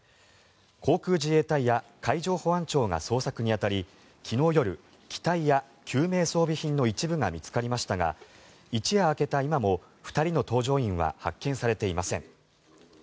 航空自衛隊や海上保安庁が捜索に当たり昨日夜、機体や救命装備品の一部が見つかりましたが一夜明けた今も２人の搭乗員は発見されていません。